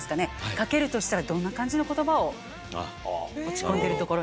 かけるとしたらどんな感じの言葉を落ち込んでるところに。